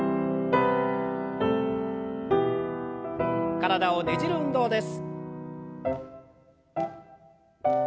体をねじる運動です。